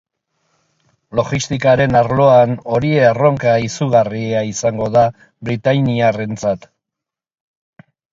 Logistikaren arloan hori erronka izugarria izango da britainiarrentzat.